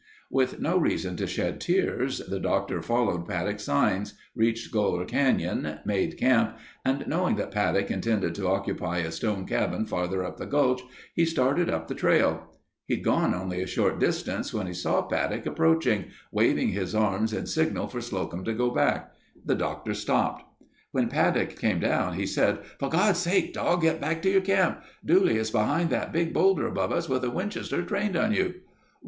_ With no reason to shed tears, the Doctor following Paddock's signs, reached Goler Canyon, made camp and knowing that Paddock intended to occupy a stone cabin farther up the gulch, he started up the trail. He'd gone only a short distance when he saw Paddock approaching, waving his arms in a signal for Slocum to go back. The Doctor stopped. When Paddock came down he said, "For God's sake, Doc, get back to your camp. Dooley is behind that big boulder above us with a Winchester trained on you."